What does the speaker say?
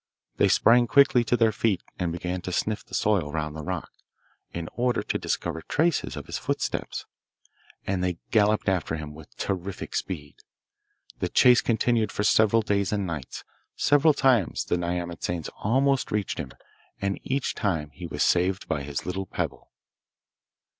They sprang quickly to their feet and began to sniff the soil round the rock, in order to discover traces of his footsteps, and they galloped after him with terrific speed. The chase continued for several days and nights; several times the nyamatsanes almost reached him, and each time he was saved by his little pebble.